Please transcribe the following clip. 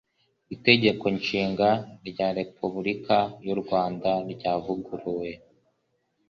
itegeko nshinga rya repubulika y u rwanda ryavuguruwe